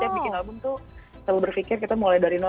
terus setiap bikin album tuh selalu berfikir kita mulai dari nol